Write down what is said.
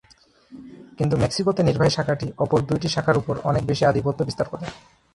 কিন্তু মেক্সিকোতে নির্বাহী শাখাটি অপর দুইটি শাখার উপর অনেক বেশি আধিপত্য বিস্তার করে।